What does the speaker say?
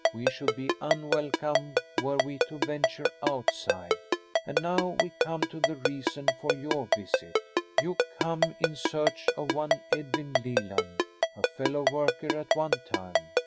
We should be unwelcome were we to venture outside. And now we come to the reason for your visit. You come in search of one Edwin Leland, a fellow worker at one time.